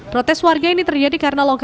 protes warga ini terjadi karena lokasi